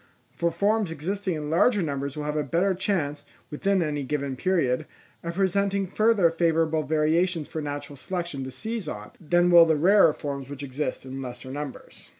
For forms existing in larger numbers will have a better chance, within any given period, of presenting further favourable variations for natural selection to seize on, than will the rarer forms which exist in lesser numbers.